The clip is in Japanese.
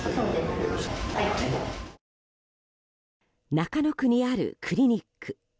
中野区にあるクリニック。